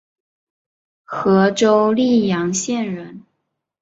和州历阳县人。